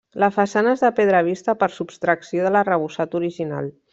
La façana és de pedra vista per subtracció de l'arrebossat original.